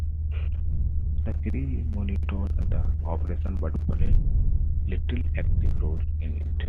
The crew monitored the operation but played little active role in it.